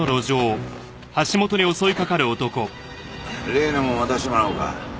例のものを渡してもらおうか。